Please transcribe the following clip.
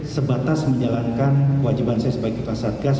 sebatas menjalankan kewajiban saya sebagai ketua satgas